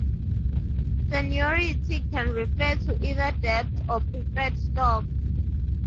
Seniority can refer to either debt or preferred stock.